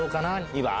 ２番。